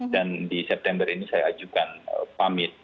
dan di september ini saya ajukan pamit